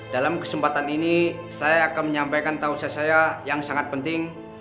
dalam kesempatan ini saya akan menyampaikan tausiah saya yang sangat penting